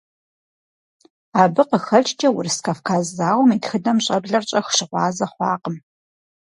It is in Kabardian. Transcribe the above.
Абы къыхэкӀкӀэ Урыс-Кавказ зауэм и тхыдэм щӀэблэр щӀэх щыгъуазэ хъуакъым.